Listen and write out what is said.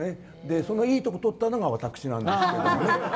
そのいいところを取ったのが私なんですけれどもね。